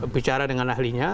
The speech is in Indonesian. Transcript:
bicara dengan ahlinya